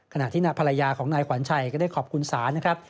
ขณะที่ภรรยาของนายขวัญชัยก็ได้ขอบคุณศาลนะครับ